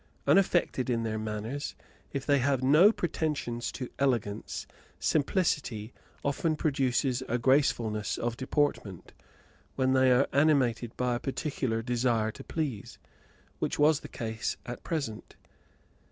Unaffected in their manners, if they have no pretensions to elegance, simplicity often produces a gracefulness of deportment, when they are animated by a particular desire to please, which was the case at present.